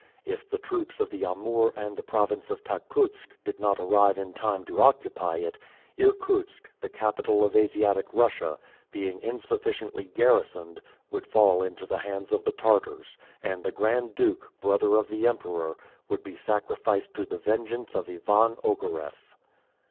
If the troops of the Amoor and the province of Takutsk did not arrive in time to occupy it, Irkutsk, the capital of Asiatic Russia, being insufficiently garrisoned, would fall into the hands of the Tartars, and the Grand Duke, brother of the Emperor, would be sacrificed to the vengeance of Ivan Ogareff.